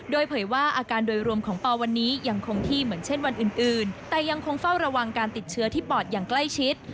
โดยเผยว่าอาการโดยรวมของปอวันนี้ยังคงที่เหมือนเช่นวันอื่นแต่ยังคงเฝ้าระวังการติดเชื้อที่ปอดอย่างใกล้ชิด